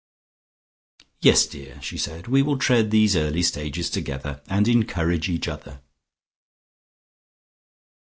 "Yes, dear," she said. "We will tread these early stages together, and encourage each other."